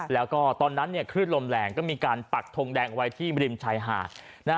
แล้วก็ตอนนั้นคลื่นลมแรงก็มีการปักทงแดงไว้ที่ริมชายหาด